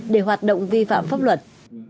để hoạt động vi phạm pháp luật